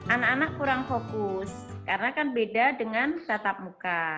anak anak kurang fokus karena kan beda dengan tatap muka